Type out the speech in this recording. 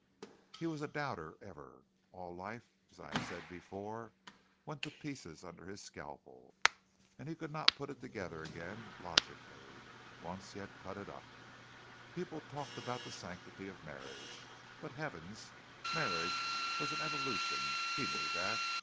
He was a doubter ever. All life, as I have said before, went to pieces under his scalpel, and he could not put it together again logically, once he had it cut up. People talked about the sanctity of marriage, but, heavens, marriage was an evolution! He knew that.